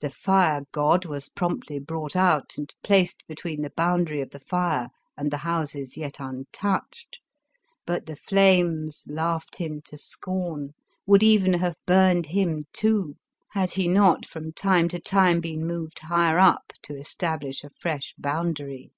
The fire god was promptly brought out and placed between the boundary of the fire and the houses yet untouched. But the flames laughed him to pcom, would even have burned him too, had he not from time to time been moved higher up to establish a fresh boundary.